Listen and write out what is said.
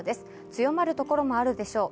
強まる所もあるでしょう。